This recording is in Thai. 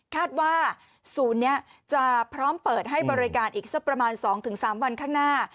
คาดว่าศูนย์นี้จะพร้อมเปิดให้บริการอีกสักประมาณ๒๓วันข้างหน้า